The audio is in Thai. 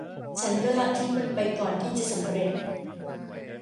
ฉันก็ละทิ้งมันไปก่อนที่จะสำเร็จ